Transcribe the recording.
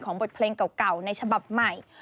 บทเพลงเก่าในฉบับใหม่